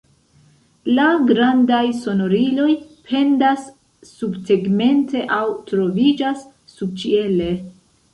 La grandaj sonoriloj pendas subtegmente aŭ troviĝas subĉiele.